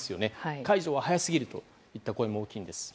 解除は早すぎるといった声も多いんです。